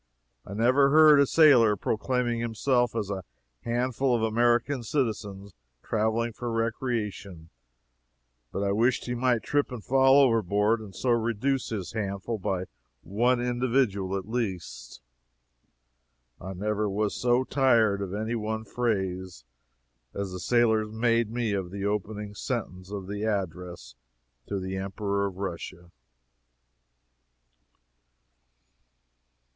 I never heard a sailor proclaiming himself as a handful of American citizens traveling for recreation, but I wished he might trip and fall overboard, and so reduce his handful by one individual, at least. I never was so tired of any one phrase as the sailors made me of the opening sentence of the Address to the Emperor of Russia.